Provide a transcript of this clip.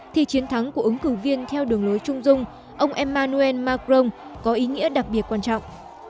thì chiến thắng của ứng cử viên theo đường lối trung dung ông emmanuel macron có ý nghĩa đặc biệt quan trọng